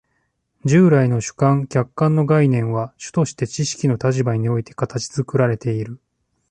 従来の主観・客観の概念は主として知識の立場において形作られている。